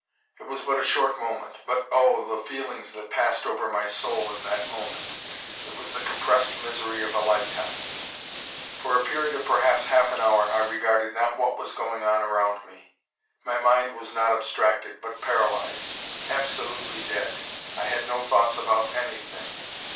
It was but a short moment; but, oh! the feelings that passed over my soul in that moment! It was the compressed misery of a life time. For a period of perhaps half an hour I regarded not what was going on around me. My mind was not abstracted, but paralysed: absolutely dead. I had no thoughts about anything.